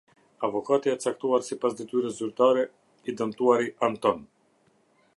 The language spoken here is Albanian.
Avokatja e caktuar sipas detyrës zyrtare, i dëmtuari Anton.